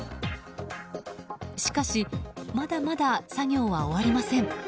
しかし、まだまだ作業は終わりません。